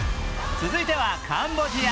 続いてはカンボジア。